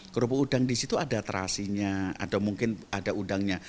kerupuk udang disitu ada terasinya ada mungkin ada udangnya